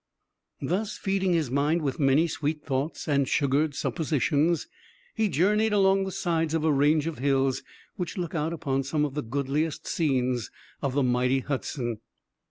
Thus feeding his mind with many sweet thoughts and "sugared suppositions," he journeyed along the sides of a range of hills which look out upon some of the goodliest scenes of the mighty Hudson.